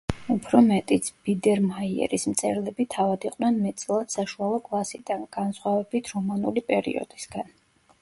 უფრო მეტიც, ბიდერმაიერის მწერლები თავად იყვნენ მეტწილად საშუალო კლასიდან, განსხვავებით რომანული პერიოდისგან.